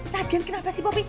tadi kan kenapa sih popi